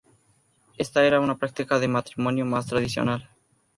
Esta era una práctica de matrimonio más tradicional.